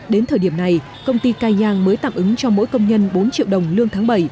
đến thời điểm này công ty cai yang mới tạm ứng cho mỗi công nhân bốn triệu đồng lương tháng bảy